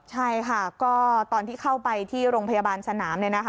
ใช่ค่ะก็ตอนที่เข้าไปที่โรงพยาบาลสนาม